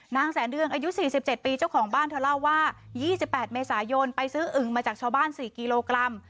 นางแสนเดือนอายุ๔๗ปีเจ้าของบ้านเธอเล่าว่า๒๘เมษายนไปซื้ออึงมาจากชาวบ้าน๔กิโลกรัม